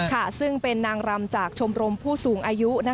ซึ่งเป็นนางรำจากชมรมผู้สูงอายุ